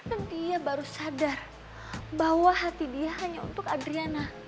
dan dia baru sadar bahwa hati dia hanya untuk adriana